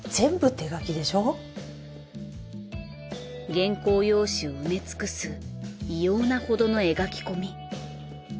原稿用紙を埋め尽くす異様なほどの描き込み。